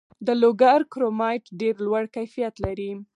د لوګر کرومایټ ډیر لوړ کیفیت لري.